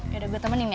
yaudah gue temenin ya